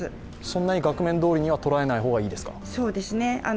そんなに額面どおりには捉えない方がいいですか。